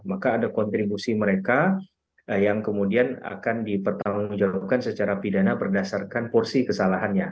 maka ada kontribusi mereka yang kemudian akan dipertanggungjawabkan secara pidana berdasarkan porsi kesalahannya